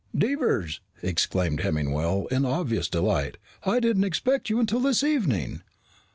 "Devers!" exclaimed Hemmingwell in obvious delight. "I didn't expect you until this evening."